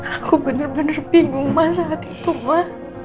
aku bener bener bingung ma saat itu ma